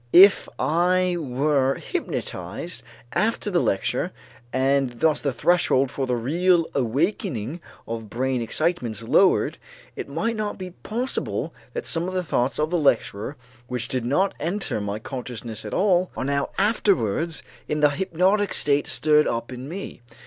If I were hypnotized after the lecture and thus the threshold for the real awakening of brain excitements lowered, it might not be impossible that some of the thoughts of the lecturer which did not enter my consciousness at all, are now afterwards in the hypnotic state stirred up in me.